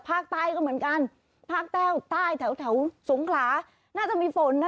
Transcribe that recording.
ภาคใต้ก็เหมือนกันภาคแต้วใต้แถวแถวสงขลาน่าจะมีฝนนะ